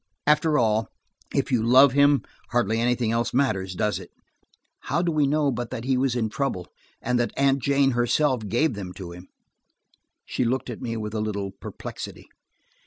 "After all, if you love him, hardly anything else matters, does it?" How do we know but that he was in trouble, and that Aunt Jane herself gave them to him?" She looked at me with a little perplexity.